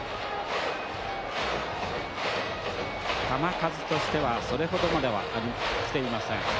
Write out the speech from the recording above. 球数としてはそれほどまではきていません。